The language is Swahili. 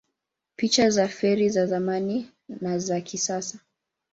Picha za feri za zamani na za kisasa